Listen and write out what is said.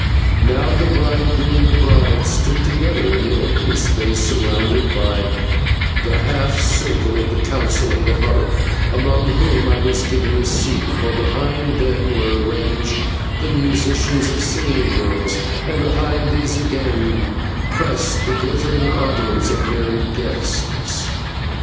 Now the bridegroom and the bride stood together in the open space surrounded by the half circle of the Council of the Heart, among whom I was given a seat, while behind them were arranged the musicians and singing girls, and behind these again pressed the glittering audience of marriage guests.